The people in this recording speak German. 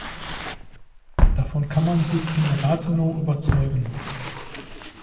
Davon kann man sich in Rathenow überzeugen.